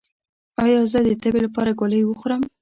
ایا زه د تبې لپاره ګولۍ وخورم؟